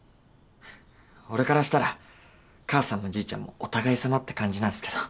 俺からしたら母さんもじいちゃんもお互いさまって感じなんすけど。